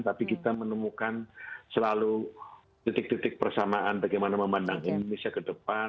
tapi kita menemukan selalu titik titik persamaan bagaimana memandang indonesia ke depan